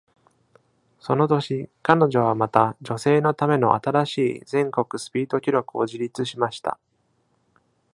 その年、彼女はまた、女性のための新しい全国スピード記録を樹立しました。